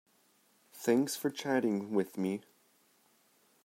Thanks for chatting with me.